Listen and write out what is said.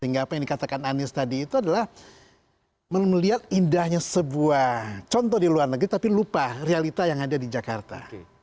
sehingga apa yang dikatakan anies tadi itu adalah melihat indahnya sebuah contoh di luar negeri tapi lupa realita yang ada di jakarta